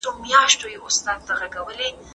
د بدن لپاره شیدې ډېري اړیني دي.